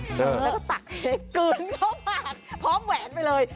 แล้วก็ตักเหกลืนเข้าปากพร้อมแหวนไปเลย